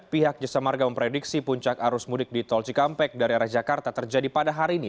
pihak jasa marga memprediksi puncak arus mudik di tol cikampek dari arah jakarta terjadi pada hari ini